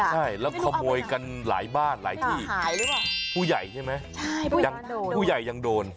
ใช่แล้วขโมยกันหลายบ้านหลายที่ผู้ใหญ่ใช่มั้ยผู้ใหญ่ยังโดน